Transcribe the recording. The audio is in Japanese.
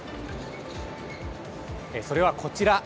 それは、こちら。